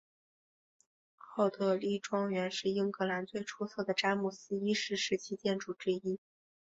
奥德莉庄园是英格兰最出色的詹姆斯一世时期建筑之一。